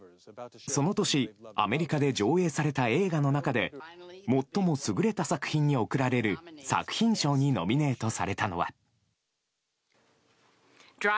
その年、アメリカで上映された映画の中で、もっとも優れた作品に贈られる、作品賞にノミネートされたのは。